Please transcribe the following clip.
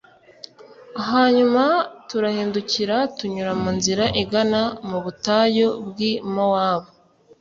Hanyuma turahindukira tunyura mu nzira igana mu butayubw’i Mowabu.